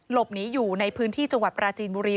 หลบหนีอยู่ในพื้นที่จังหวัดปราจีนบุรี